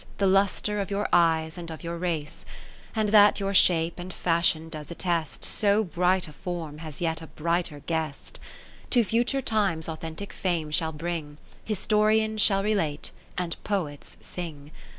The lustre of your eyes and of your race : And that your shape and fashion does attest. So bright a form has yet a brighter Guest, (587) To future times authentic fame shall bring. Historians shall relate, and Poets sing.